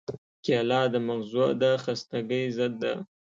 کېله د مغزو د خستګۍ ضد ده.